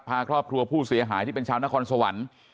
พาครอบครัวผู้เสียหายที่เป็นชาวนครสวรรค์